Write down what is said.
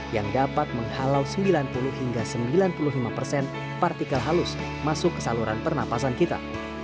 yang dapat menghalau sembilan puluh hingga sembilan puluh lima persen partikel halus masuk ke saluran pernapasan kita